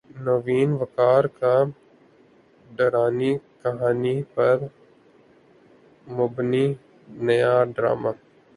نوین وقار کا ڈرانی کہانی پر مبنی نیا ڈراما